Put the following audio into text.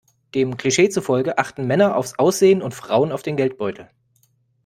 Dem Klischee zufolge achten Männer aufs Aussehen und Frauen auf den Geldbeutel.